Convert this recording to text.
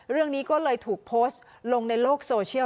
เรื่องนี้ก็เลยถูกโพสต์ลงในโลกโซเชียล